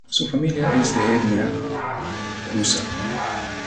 Su familia es de etnia rusa.